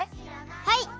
はい！